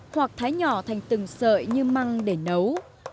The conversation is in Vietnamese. hoặc thái nhỏ thành từng sợi như măng để nấu